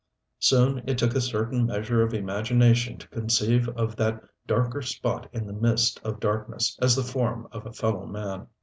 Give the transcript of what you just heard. Soon it took a certain measure of imagination to conceive of that darker spot in the mist of darkness as the form of a fellow man.